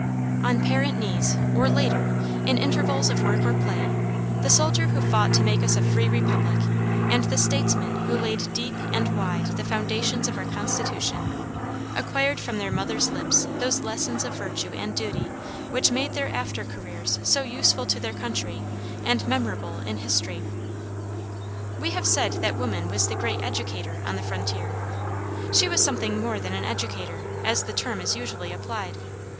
On parent knees, or later, in intervals of work or play, the soldier who fought to make us a free republic, and the statesman who laid deep and wide the foundations of our constitution, acquired from their mothers' lips those lessons of virtue and duty which made their after careers so useful to their country and memorable in history. We have said that woman was the great educator on the frontier. She was something more than an educator, as the term is usually applied.